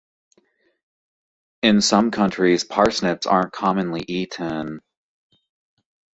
In some countries, parsnips aren't commonly eaten.